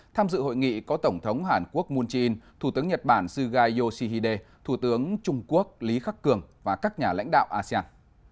tham dự hội nghị có tổng thống hàn quốc moon jae in thủ tướng nhật bản suga yoshihide thủ tướng trung quốc lý khắc cường và các nhà lãnh đạo asean